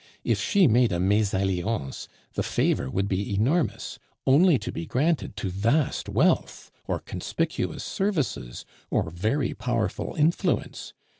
If she made a mesalliance, the favor would be enormous, only to be granted to vast wealth, or conspicuous services, or very powerful influence.